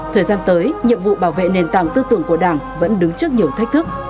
thời gian tới nhiệm vụ bảo vệ nền tảng tư tưởng của đảng vẫn đứng trước nhiều thách thức